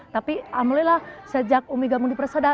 tapi alhamdulillah sejak umi gamung di perseda